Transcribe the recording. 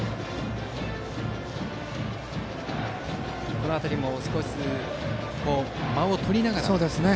この辺りも、少しずつ間をとりながら。